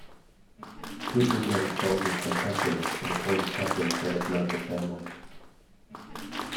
Pisa gathered soldiers from Tuscany and appointed captains from its noble families.